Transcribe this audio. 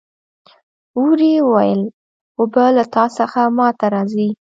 وري وویل اوبه له تا څخه ما ته راځي.